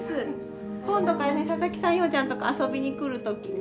今度からね佐々木さんいおちゃんとこ遊びに来る時にね